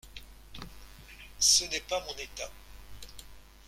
Ce n’est pas mon état.